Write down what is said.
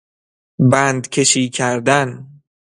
بندکشی کردن